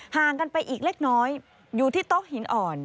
ห่างกันไปอีกเล็กน้อยอยู่ที่โต๊ะหินอ่อน